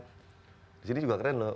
di sini juga keren loh